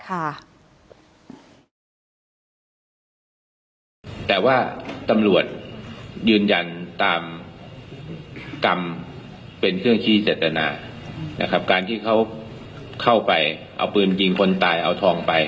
ค่ะแต่ว่าตำรวจยืนยันตามกรรมเป็นเครื่องชี้เจตนานะครับการที่เขาเข้าไปเอาปืนยิงคนตายเอาทองไป